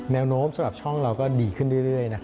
แนวโน้มสำหรับช่องเราก็ดีขึ้นเรื่อย